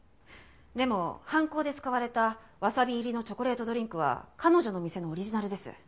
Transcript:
でも犯行で使われたわさび入りのチョコレートドリンクは彼女の店のオリジナルです。